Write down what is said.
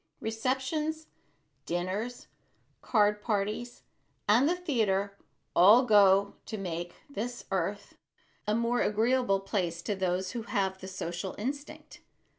Receptions, dinners, card parties and the theater all go to make this earth a more agreeable place to those who have the social instinct.